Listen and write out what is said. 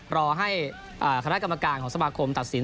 รอให้คณะกรรมการของสมาคมตัดสิน